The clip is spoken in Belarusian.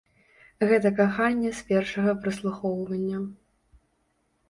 Гэта каханне з першага праслухоўвання!